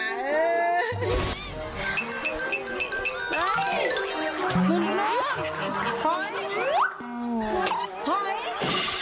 เฮ้ยมันไปแล้ว